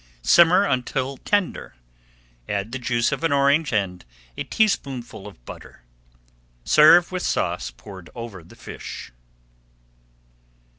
Simmer until tender, add the juice of an orange and a teaspoonful of butter. Serve with sauce poured over the fish.